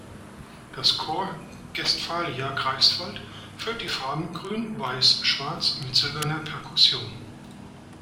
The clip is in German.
Das Corps Guestfalia Greifswald führt die Farben „grün-weiß-schwarz“ mit silberner Perkussion.